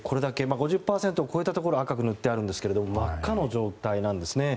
５０％を超えたところは赤く塗っていますが真っ赤の状態なんですね。